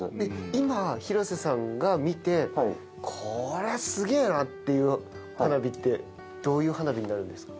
今廣瀬さんが見てこれすげえなっていう花火ってどういう花火になるんですか？